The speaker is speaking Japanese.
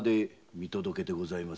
見届けてございます。